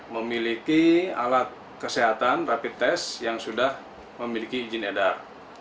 memiliki alat kesehatan rapid test yang sudah memiliki izin edar